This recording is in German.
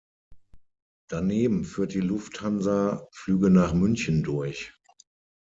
Daneben führt die Lufthansa Flüge nach München durch.